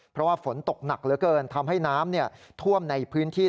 เพราะว่าฝนตกหนักเหลือเกินทำให้น้ำท่วมในพื้นที่